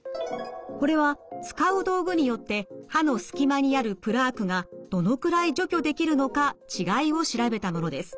これは使う道具によって歯の隙間にあるプラークがどのくらい除去できるのか違いを調べたものです。